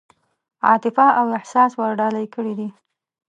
عاطفه او احساس ورډالۍ کړي دي.